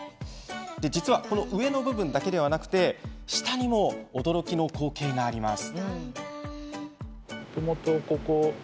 実は、上の部分だけでなくて下にも驚きの光景がありました。